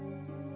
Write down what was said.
aku mau makan